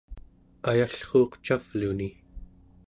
ayallruuq cavluni